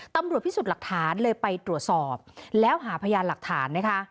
ตำรวจพิสูจน์หลักฐานเลยไปตรวจสอบแล้วหาพยานหลักฐานนะคะ